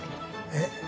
えっ？